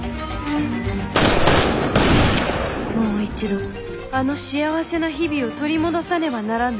もう一度あの幸せな日々を取り戻さねばならぬ。